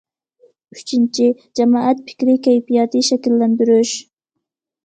ئۈچىنچى، جامائەت پىكرى كەيپىياتى شەكىللەندۈرۈش.